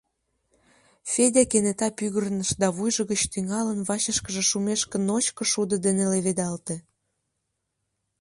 Федя кенета пӱгырныш да вуйжо гыч тӱҥалын вачышкыже шумешке ночко шудо дене леведалте.